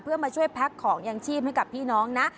เพื่อมาช่วยแพ็คของยางชีพให้กับพี่น้องนะ